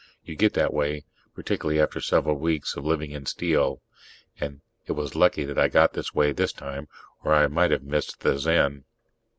You get that way particularly after several weeks of living in steel; and it was lucky that I got that way this time, or I might have missed the Zen.